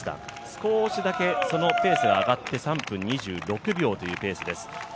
少しだけ、そのペースがあがって、３分２６秒というペースです。